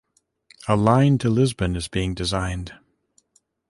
A line to Lisbon is being designed.